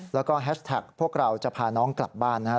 แล้วก็แฮชแท็กพวกเราจะพาน้องกลับบ้านนะครับ